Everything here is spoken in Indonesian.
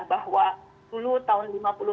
bahwa dulu tahun